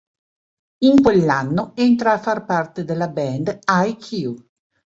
In quell'anno entra a far parte della band Hi q.